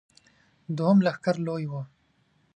دوهم لښکر لوی و.